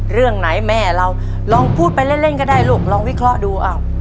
เรื่องไหนแม่เราลองพูดไปเล่นก็ได้ลูกลองวิเคราะห์ดูอ้าว